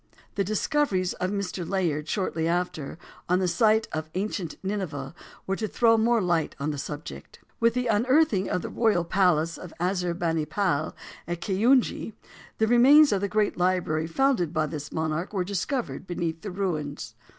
The discoveries of Mr. Layard, shortly after, on the site of ancient Nineveh, were to throw more light upon the subject. With the unearthing of the royal palace of Assur bani pal, at Keyunji, the remains of the great library founded by this monarch were discovered beneath the ruins.